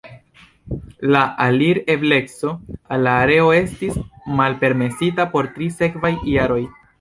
La alir-ebleco al la areo estis malpermesita por tri sekvaj jaroj.